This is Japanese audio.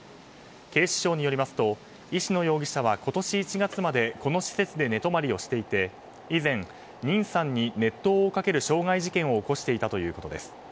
警視庁によりますと石野容疑者は今年１月までこの施設で寝泊まりをしていて以前、ニンさんに熱湯をかける傷害事件を起こしていたということです。